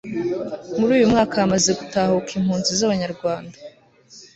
muri uyu mwaka hamaze gutahuka impunzi z'abanyarwand